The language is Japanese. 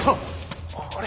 あれ？